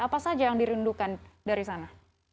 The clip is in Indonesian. apa saja yang dirindukan dari sana